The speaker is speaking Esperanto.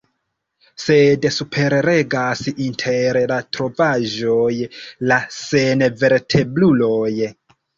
Sed superregas inter la trovaĵoj la senvertebruloj.